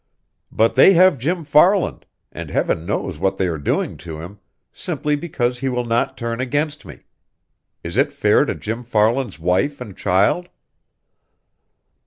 "But they have Jim Farland, and Heaven knows what they are doing to him, simply because he will not turn against me. Is it fair to Jim Farland's wife and child?"